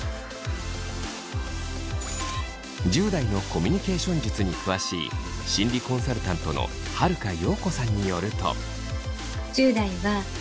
１０代のコミュニケーション術に詳しい心理コンサルタントの晴香葉子さんによると。